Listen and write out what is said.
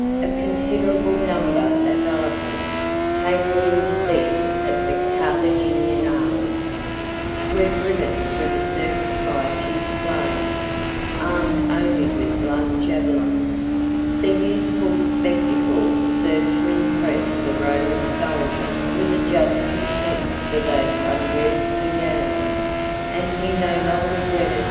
A considerable number of elephants, taken in the defeat of the Carthaginian army, were driven through the circus by a few slaves, armed only with blunt javelins. 90 The useful spectacle served to impress the Roman soldier with a just contempt for those unwieldy animals; and he no longer dreaded to encounter them in the ranks of war.